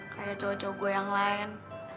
kayak cowok cowok yang lain